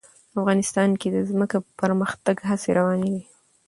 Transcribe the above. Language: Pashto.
افغانستان کې د ځمکه د پرمختګ هڅې روانې دي.